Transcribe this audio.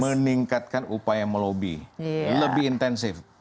meningkatkan upaya melobi lebih intensif